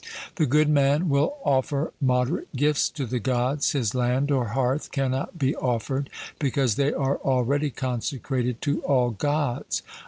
The good man will offer moderate gifts to the Gods; his land or hearth cannot be offered, because they are already consecrated to all Gods.